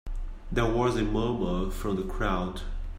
There was a murmur from the crowd.